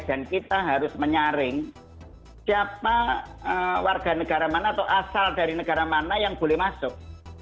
dan kita harus menyaring siapa warga negara mana atau asal dari negara mana yang boleh masuk